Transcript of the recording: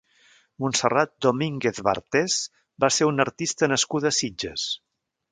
Montserrat Domínguez Bartés va ser una artista nascuda a Sitges.